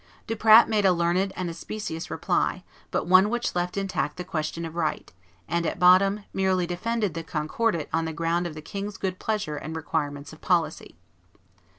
Duprat made a learned and specious reply, but one which left intact the question of right, and, at bottom, merely defended the Concordat on the ground of the king's good pleasure and requirements of policy.